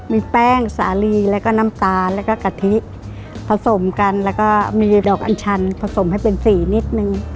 มีแป้งสาลีแล้วก็น้ำตาลแล้วก็กะทิผสมกันแล้วก็มีดอกอัญชันผสมให้เป็นสีนิดนึง